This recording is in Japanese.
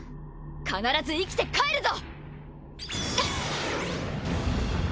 必ず生きて帰るぞ！